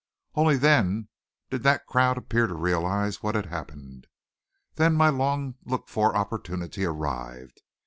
Only then did that crowd appear to realize what had happened. Then my long looked for opportunity arrived.